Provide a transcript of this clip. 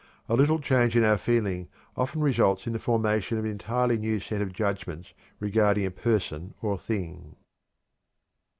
A little change in our feeling often results in the formation of an entirely new set of judgments regarding a person or thing.